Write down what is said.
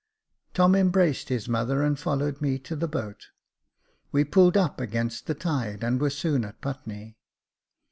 Tom embraced his mother and followed me to the boat : we pulled up against the tide, and were soon at Putney.